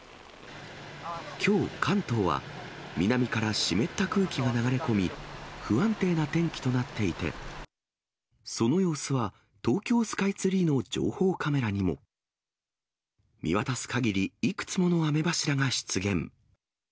きょう、関東は、南から湿った空気が流れ込み、不安定な天気となっていて、その様子は、東京スカイツリーの情報カメラにも。見渡す限り、いくつもの雨柱が出現。